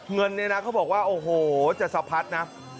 เงินในนักเขาบอกว่าโอ้โฮจะสะพัดนะ